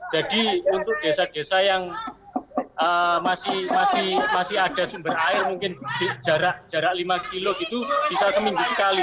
jadi untuk desa desa yang masih ada sumber air mungkin jarak lima kilo itu bisa seminggu sekali